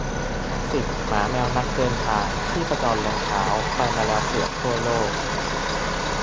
สิบ หมาแมวนักเดินทาง ชีพจรลงเท้า ไปมาแล้วเกือบทั่วโลก